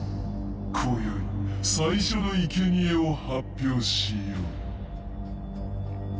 こよい最初のいけにえを発表しよう。